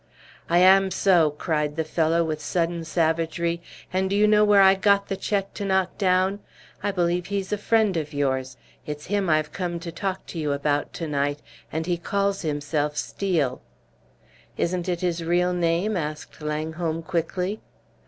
"I am so!" cried the fellow, with sudden savagery. "And do you know where I got the check to knock down? I believe he's a friend of yours; it's him I've come to talk to you about to night, and he calls himself Steel!" "Isn't it his real name?" asked Langholm, quickly.